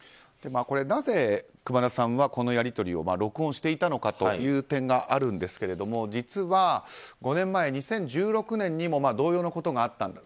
なぜ、熊田さんはこのやり取りを録音していたのかという点があるんですが実は、５年前２０１６年にも同様のことがあったんだと。